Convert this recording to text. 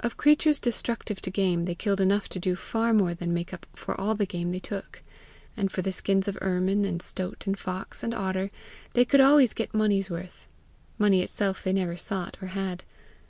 Of creatures destructive to game they killed enough to do far more than make up for all the game they took; and for the skins of ermine and stoat and fox and otter they could always get money's worth; money itself they never sought or had.